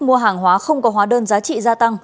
mua hàng hóa không có hóa đơn giá trị gia tăng